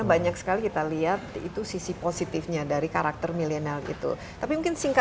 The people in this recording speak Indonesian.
mbak tkoar evaluasi non sw pardon saya ada ikut sih